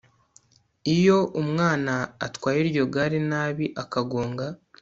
iyo umwana atwaye iryo gare nabi akagonga